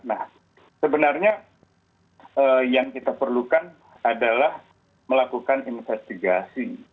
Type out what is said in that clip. nah sebenarnya yang kita perlukan adalah melakukan investigasi